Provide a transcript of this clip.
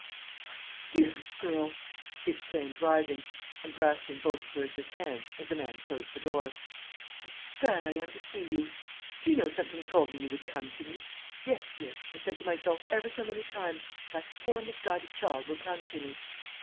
"My dearest girl," she exclaimed, rising, and grasping both Clarissa's hands, as the man closed the door, "how glad I am to see you! Do you know, something told me you would come to me? Yes, dear; I said to myself ever so many times, 'That poor misguided child will come to me.'